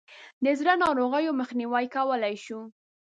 د زړه ناروغیو مخنیوی کولای شو.